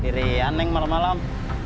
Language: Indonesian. tiri aneh malam malam